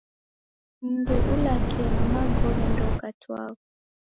Mundu ulakie na magome, ndeukatwagha.